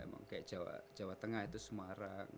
emang kayak jawa tengah itu semarang